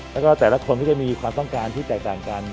แล้วก็แต่ละคนก็จะมีความต้องการที่แตกต่างกัน